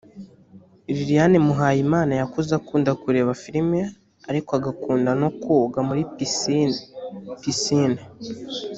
Liliane Muhayimana yakuze akunda kureba filimi ariko agakunda no kwoga muri pisine (Piscine)